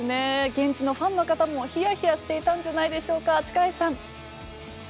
現地のファンの方も冷や冷やしていたんじゃないでしょうか。